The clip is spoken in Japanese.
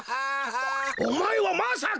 おまえはまさか！？